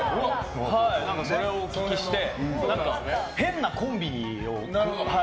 それをお聞きして変なコンビを。